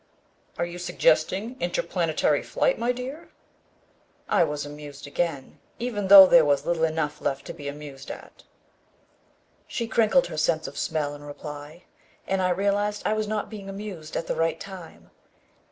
"Are you suggesting interplanetary flight, my dear?" I was amused again, even though there was little enough left to be amused at. She crinkled her sense of smell in reply, and I realized I was not being amused at the right time.